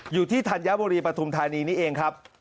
อยู่ที่ธัญบุรีประทุมธานีนี้เองครับ